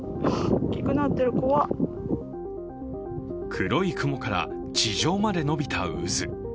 黒い雲から地上まで伸びた渦。